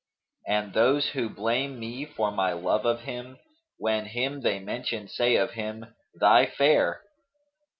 And those who blame me for my love of him, * When him they mention say of him, 'Thy Fair'!'